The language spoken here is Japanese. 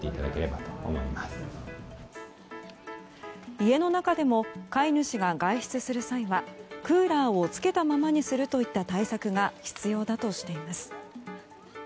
家の中でも飼い主が外出する際はクーラーをつけたままにするといった対策が必要だとしています。